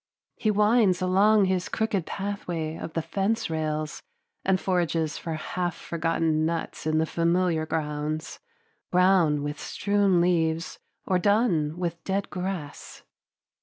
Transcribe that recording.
He winds along his crooked pathway of the fence rails and forages for half forgotten nuts in the familiar grounds, brown with strewn leaves or dun with dead grass.